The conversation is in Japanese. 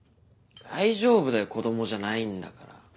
大丈夫だよ子供じゃないんだから。